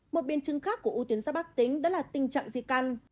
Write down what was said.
một biến chứng khác của u tiến giáp bác tính đó là tình trạng di căn